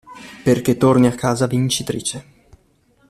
Perché torni a casa vincitrice.